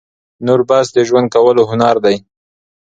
نور بس د ژوند کولو هنر دى،